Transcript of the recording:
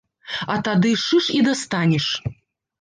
А тады шыш і дастанеш.